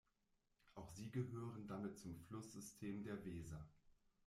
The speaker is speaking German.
Auch sie gehören damit zum Flusssystem der Weser.